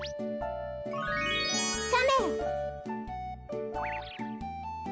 かめ！